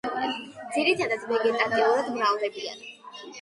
ძირითადად ვეგეტატიურად მრავლდებიან.